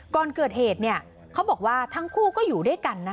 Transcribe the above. ก่อนเกิดเหตุเนี่ยเขาบอกว่าทั้งคู่ก็อยู่ด้วยกันนะ